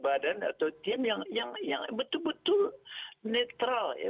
badan atau tim yang betul betul netral ya